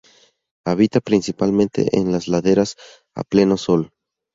Habita principalmente en laderas a pleno sol.